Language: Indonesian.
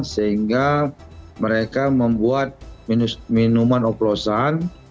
sehingga mereka membuat minuman oplosan